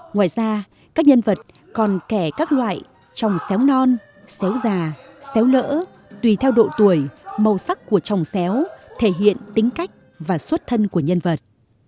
ngoài ra các nhân vật còn kẻ các loại tròng xéo non xéo già xéo lỡ tùy theo độ tuổi màu sắc của tròng xéo thể hiện tính cách và xuất thân của nhân vật